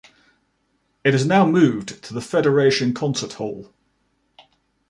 It has now moved to the Federation Concert Hall.